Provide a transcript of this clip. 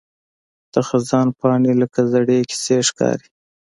د خزان پاڼې لکه زړې کیسې ښکاري